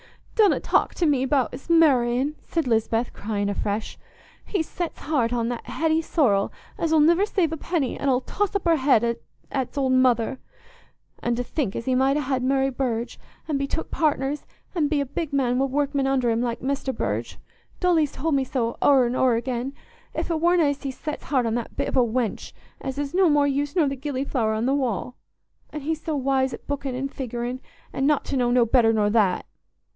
"Donna talk to me about's marr'in'," said Lisbeth, crying afresh. "He's set's heart on that Hetty Sorrel, as 'ull niver save a penny, an' 'ull toss up her head at's old mother. An' to think as he might ha' Mary Burge, an' be took partners, an' be a big man wi' workmen under him, like Mester Burge—Dolly's told me so o'er and o'er again—if it warna as he's set's heart on that bit of a wench, as is o' no more use nor the gillyflower on the wall. An' he so wise at bookin' an' figurin', an' not to know no better nor that!"